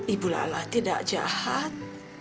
ibu lala tidak jahat